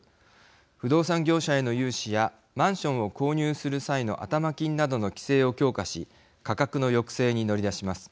不動産業者への融資やマンションを購入する際の頭金などの規制を強化し価格の抑制に乗り出します。